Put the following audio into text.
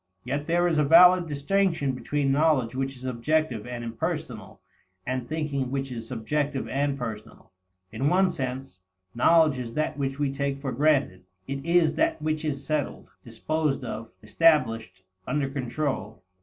Yet there is a valid distinction between knowledge which is objective and impersonal, and thinking which is subjective and personal. In one sense, knowledge is that which we take for granted. It is that which is settled, disposed of, established, under control.